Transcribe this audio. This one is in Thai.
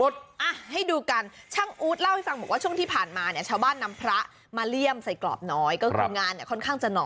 สร้างอะไรได้นะ